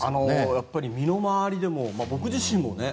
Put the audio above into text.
やっぱり身の回りでも僕自身もね